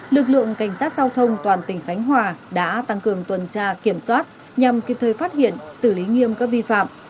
lực lượng cảnh sát giao thông toàn tỉnh khánh hòa đã tăng cường tuần tra kiểm soát nhằm kịp thời phát hiện xử lý nghiêm các vi phạm